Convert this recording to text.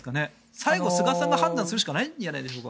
最後は菅さんが判断するしかないんじゃないでしょうか。